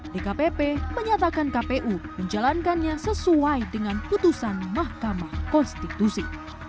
dkpp menyatakan kpu menjalankannya sesuai dengan putusan mahkamah konstitusi